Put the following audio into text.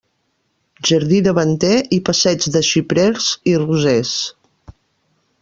Jardí davanter i passeig de xiprers i rosers.